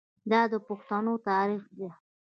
دا د پښتنو تاریخ دی.